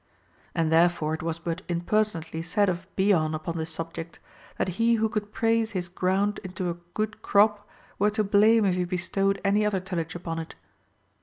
And therefore it was but impertinently said of Bion upon this subject, that he who could praise his ground into a good crop were to blame if he bestowed any other tillage upon it.